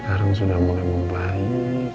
kamu sudah mulai membaik